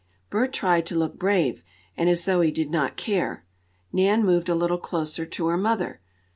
Bert tried to look brave, and as though he did not care. Nan moved a little closer to her mother.